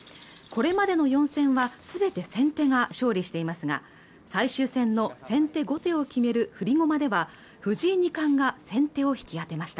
これまでの４戦は全て先手が勝利していますが最終戦の先手後手を決める振り駒では藤井二冠が先手を引き当てました